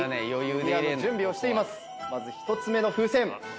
まず１つ目の風船。